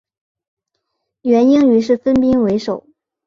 元英于是分兵围守。